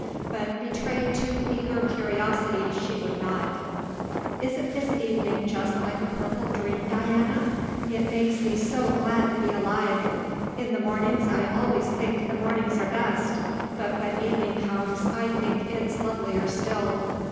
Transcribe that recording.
But betray too eager curiosity she would not. "Isn't this evening just like a purple dream, Diana? It makes me so glad to be alive. In the mornings I always think the mornings are best; but when evening comes I think it's lovelier still."